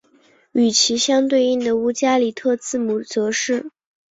与其相对应的乌加里特字母则是。